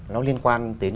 nó liên quan đến